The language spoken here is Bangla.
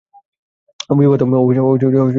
ও বিবাহিত না।